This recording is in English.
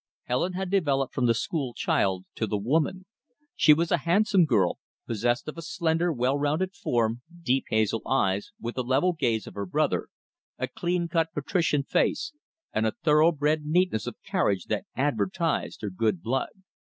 Helen had developed from the school child to the woman. She was a handsome girl, possessed of a slender, well rounded form, deep hazel eyes with the level gaze of her brother, a clean cut patrician face, and a thorough bred neatness of carriage that advertised her good blood.